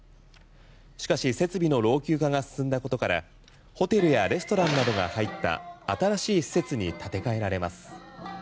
しかし設備の老朽化が進んだことからホテルやレストランなどが入った新しい施設に建て替えられます。